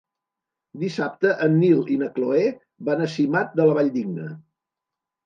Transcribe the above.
Dissabte en Nil i na Cloè van a Simat de la Valldigna.